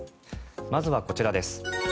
まずはこちらです。